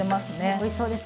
おいしそうですね。